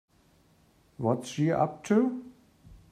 What's she up to?